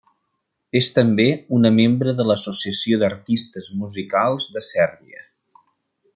És també una membre de l'Associació d'Artistes Musicals de Sèrbia.